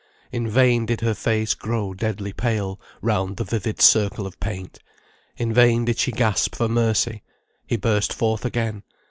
In vain did her face grow deadly pale round the vivid circle of paint, in vain did she gasp for mercy, he burst forth again.